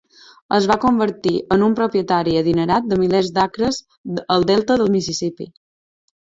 Es va convertir en un propietari adinerat de milers d'acres al delta del Mississipí.